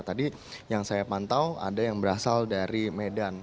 tadi yang saya pantau ada yang berasal dari medan